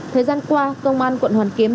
thời gian qua công an quận hoàn kiếm